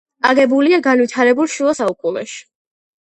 აგებულია განვითარებულ შუა საუკუნეებში.